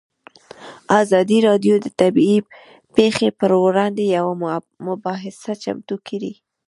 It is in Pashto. ازادي راډیو د طبیعي پېښې پر وړاندې یوه مباحثه چمتو کړې.